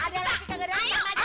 ada laki kagak ada laki sama aja